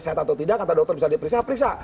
sehat atau tidak kata dokter bisa diperiksa periksa